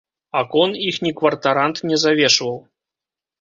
Акон іхні кватарант не завешваў.